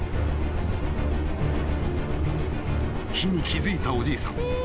［火に気付いたおじいさん］